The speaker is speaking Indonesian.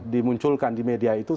dimunculkan di media itu